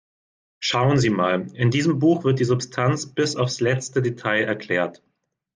Schauen Sie mal, in diesem Buch wird die Substanz bis aufs letzte Detail erklärt.